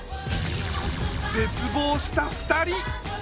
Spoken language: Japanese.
絶望した二人。